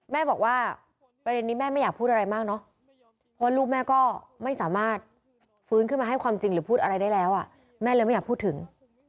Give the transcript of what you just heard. แม่บอกว่าประเด็นนี้แม่ไม่อยากพูดอะไรมากเนอะว่าลูกแม่ก็ไม่สามารถฟื้นขึ้นมาให้ความจริงหรือพูดอะไรได้แล้วแม่เลยไม่อยากพูดถึง